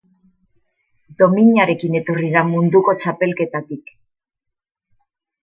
Dominarekin etorri da munduko txapelketatik.